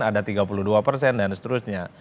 ada tiga puluh dua persen dan seterusnya